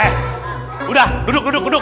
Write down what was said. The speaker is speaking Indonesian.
eh udah duduk duduk duduk